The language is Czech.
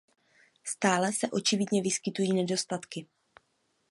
Stále se očividně vyskytují nedostatky.